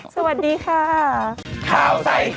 สวัสดีค่ะ